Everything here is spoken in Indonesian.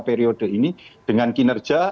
periode ini dengan kinerja